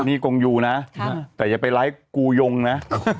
นี่กงยูนะแต่อย่าไปไลฟ์กูยงนะ